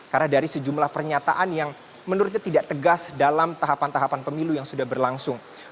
karena dari sejumlah pernyataan yang menurutnya tidak tegas dalam tahapan tahapan pemilu yang sudah berlangsung